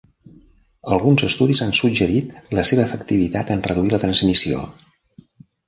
Alguns estudis han suggerit la seva efectivitat en reduir la transmissió.